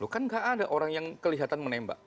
kan gak ada orang yang kelihatan menembak